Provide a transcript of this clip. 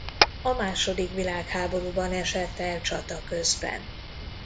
A második világháborúban esett el csata közben.